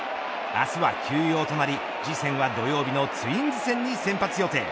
明日は休養日となり次戦は土曜日のツインズ戦に先発予定。